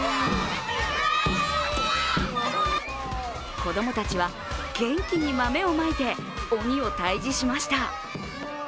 子供たちは元気に豆をまいて鬼を退治しました。